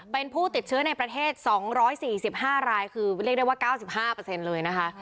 เป็นผู้ติดเชื้อในประเทศ๒๔๕รายคือเรียกได้ว่า๙๕เลยนะคะ